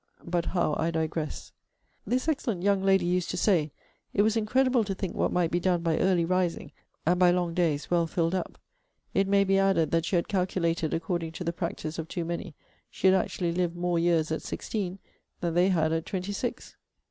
But how I digress: This excellent young lady used to say, 'it was incredible to think what might be done by early rising, and by long days well filled up.' It may be added, that she had calculated according to the practice of too many, she had actually lived more years at sixteen, than they had at twenty six.